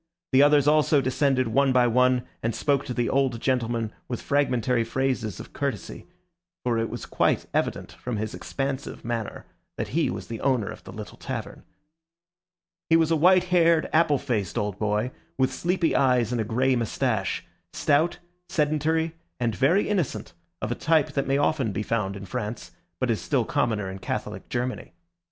The others also descended one by one, and spoke to the old gentleman with fragmentary phrases of courtesy, for it was quite evident from his expansive manner that he was the owner of the little tavern. He was a white haired, apple faced old boy, with sleepy eyes and a grey moustache; stout, sedentary, and very innocent, of a type that may often be found in France, but is still commoner in Catholic Germany.